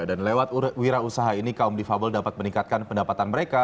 dan lewat wirausaha ini kaum difabel dapat meningkatkan pendapatan mereka